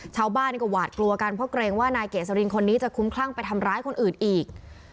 ชาวบ้านก็หวาดกลัวกันเพราะเกรงว่านายเกษรินคนนี้จะคุ้มคลั่งไปทำร้ายคนอื่นอีก